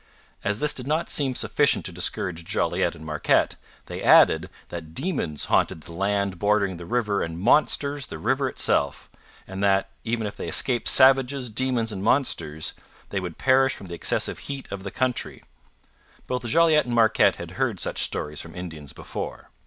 As this did not seem sufficient to discourage Jolliet and Marquette, they added that demons haunted the land bordering the river and monsters the river itself, and that, even if they escaped savages, demons, and monsters, they would perish from the excessive heat of the country Both Jolliet and Marquette had heard such stories from Indians before.